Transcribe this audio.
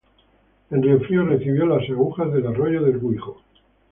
En Riofrío recibe las aguas del arroyo del Guijo.